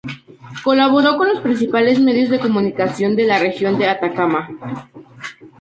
Colaboró con los principales medios de comunicación de la región de Atacama.